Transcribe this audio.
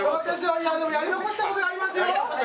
いやでもやり残した事がありますよ。